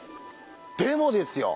でもですよ